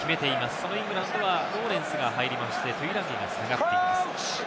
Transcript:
そのイングランドはローレンスが入りまして、トゥイランギが下がっています。